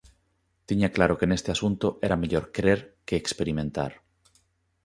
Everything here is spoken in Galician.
Tiña claro que neste asunto era mellor crer que experimentar.